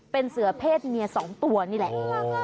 เป็นเสือเพศเมีย๒ตัวนี่แหละ